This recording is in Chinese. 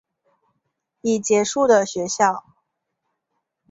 已结束的学校